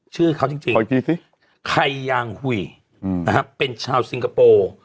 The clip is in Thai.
ชื่อเขาจริงสิใครยางหุ่ยนะฮะเป็นชาวสิงคโปร์